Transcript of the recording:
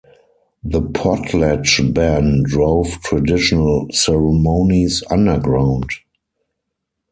The Potlatch ban drove traditional ceremonies underground.